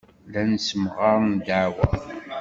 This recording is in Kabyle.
Llan ssemɣaren ddeɛwa.